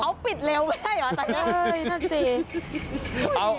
เขาปิดเร็วแม่เออนั่นสิ